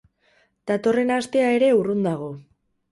Datorren astea ere urrun dago.